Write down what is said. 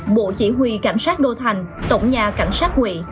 bộ chỉ huy cảnh sát đô thành tổng nhà cảnh sát quỵ